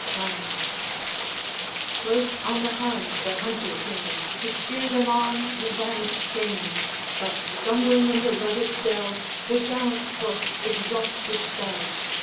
IX. Close on the hounds the Hunter came, To cheer them on the vanished game; But, stumbling in the rugged dell, The gallant horse exhausted fell.